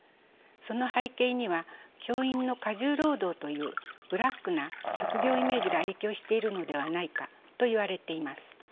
その背景には教員の過重労働というブラックな職業イメージが影響しているのではないかといわれています。